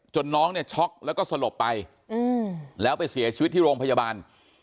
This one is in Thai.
น้องเนี่ยช็อกแล้วก็สลบไปแล้วไปเสียชีวิตที่โรงพยาบาล